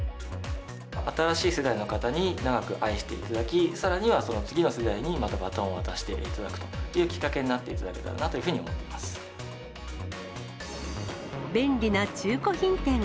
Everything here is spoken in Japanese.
新しい世代の方に長く愛していただき、さらには、その次の世代にまた、バトンを渡していただくというきっかけになっていただけたらなと便利な中古品店。